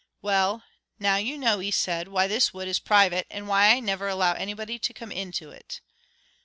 "Well, now you know," he said, "why this wood is private, and why I never allow anybody to come into it."